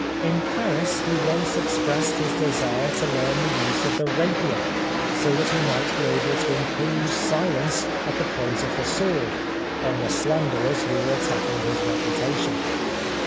In Paris he once expressed his desire to learn the use of the rapier so that he might be able to impose silence at the point of the sword on the slanderers who were attacking his re putation.